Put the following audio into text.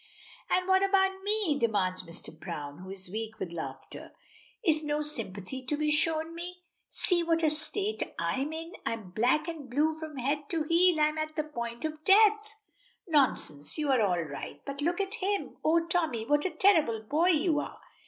"And what about me?" demands Mr. Browne, who is weak with laughter. "Is no sympathy to be shown me? See what a state I'm in. I'm black and blue from head to heel. I'm at the point of death!" "Nonsense! you are all right, but look at him! Oh! Tommy, what a terrible boy you are.